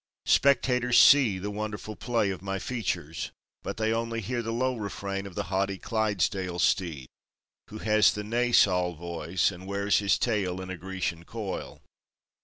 Spectators see the wonderful play of my features, but they only hear the low refrain of the haughty Clydesdale steed, who has a neighsal voice and wears his tail in a Grecian coil.